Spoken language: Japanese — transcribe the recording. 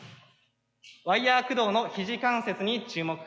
ワイヤー駆動の肘関節に注目！